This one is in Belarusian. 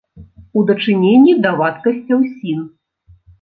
У дачыненні да вадкасцяў сін.